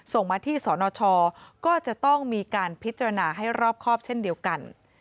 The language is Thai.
ส่งมาที่สนชก็จะต้องมีการพิจารณาให้รอบครอบเช่นเดียวกัน